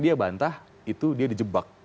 dia bantah dia dijebak